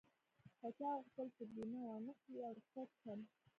که چا غوښتل چې بيمه و نه اخلي او رخصت شم.